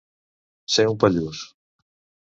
Ser un pallús.